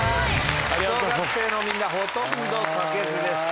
小学生のみんなほとんど書けずでした。